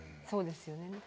そうですよね。